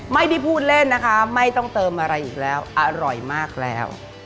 ไม่ได้พูดเล่นนะคะไม่ต้องเติมอะไรอีกแล้วอร่อยมากแล้ว